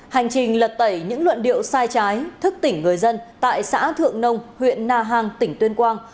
hành trình lật tẩy những luận điệu sai trái thức tỉnh người dân tại xã thượng nông huyện na hàng tỉnh tuyên quang